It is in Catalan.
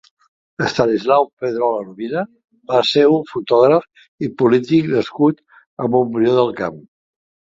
Estanislau Pedrola Rovira va ser un fotògraf i polític nascut a Montbrió del Camp.